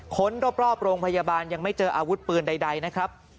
้นรอบโรงพยาบาลยังไม่เจออาวุธปืนใดนะครับ